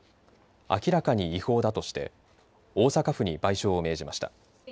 明らかに違法だとして大阪府に賠償を命じました。